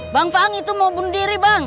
bang faang itu mau bunuh diri bang